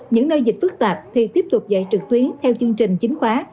những nơi dịch phức tạp thì tiếp tục dạy trực tuyến theo chương trình chính khóa